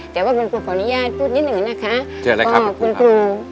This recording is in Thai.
แต่ว่าคุณครูขออนุญาตพูดนิดหนึ่งนะคะขอบคุณครู